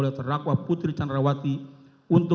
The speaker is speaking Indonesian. kita harus membuatnya